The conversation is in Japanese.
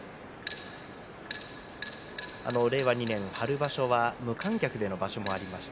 令和２年春場所は無観客での場所もありました。